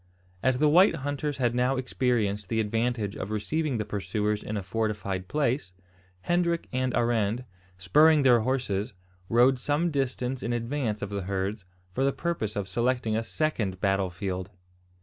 As the white hunters had now experienced the advantage of receiving the pursuers in a fortified place, Hendrik and Arend, spurring their horses, rode some distance in advance of the herds, for the purpose of selecting a second battle field.